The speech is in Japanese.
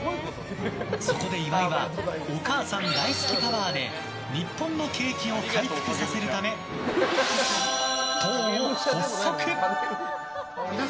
そこで岩井はお母さん大好きパワーで日本の景気を回復させるため党を発足。